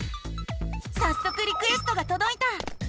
さっそくリクエストがとどいた！